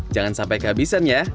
jangan sampai kehabisan ya